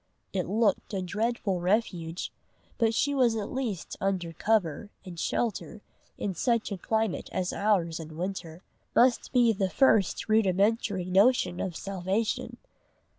It looked a dreadful refuge, but she was at least under cover, and shelter, in such a climate as ours in winter, must be the first rudimentary notion of salvation.